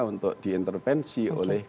untuk diintervensi oleh